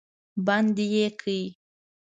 بندي یې کړ.